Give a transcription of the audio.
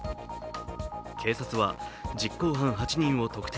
警察は実行犯８人を特定。